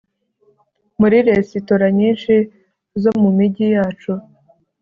Muri resitora nyinshi zo mu mijyi yacu